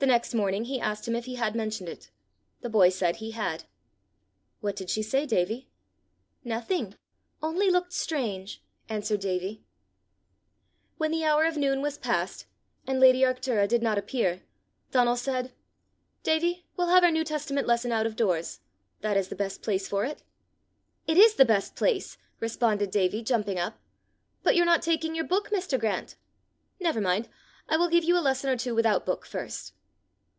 The next morning he asked him if he had mentioned it. The boy said he had. "What did she say, Davie?" "Nothing only looked strange," answered Davie. When the hour of noon was past, and lady Arctura did not appear, Donal said, "Davie, we'll have our New Testament lesson out of doors: that is the best place for it!" "It is the best place!" responded Davie, jumping up. "But you're not taking your book, Mr. Grant!" "Never mind; I will give you a lesson or two without book first."